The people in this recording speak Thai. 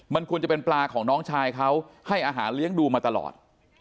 มันควรจะเป็นปลาของน้องชายเขาให้อาหารเลี้ยงดูมาตลอด